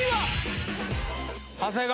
長谷川！